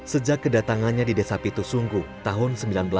sejak kedatangannya di desa pitusungguh tahun seribu sembilan ratus delapan puluh